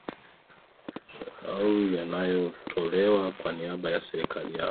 au yanayotolewa kwa niaba ya serikali yao